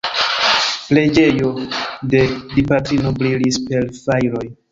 Preĝejo de Dipatrino brilis per fajroj.